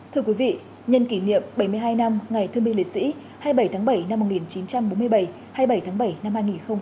thưa quý vị nhân kỷ niệm bảy mươi hai năm ngày thương binh liệt sĩ hai mươi bảy tháng bảy năm một nghìn chín trăm bốn mươi bảy hai mươi bảy tháng bảy năm hai nghìn hai mươi